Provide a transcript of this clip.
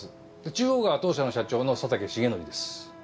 中央が当社の社長の佐竹茂徳です。